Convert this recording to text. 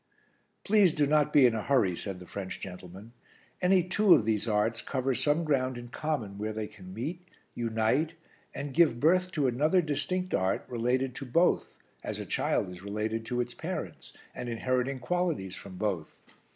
"Please do not be in a hurry," said the French gentleman. "Any two of these arts cover some ground in common where they can meet, unite and give birth to another distinct art related to both as a child is related to its parents, and inheriting qualities from both.